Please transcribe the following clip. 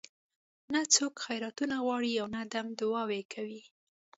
نه څوک خیراتونه غواړي او نه دم دعاوې کوي.